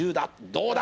どうだ？